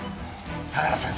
相良先生！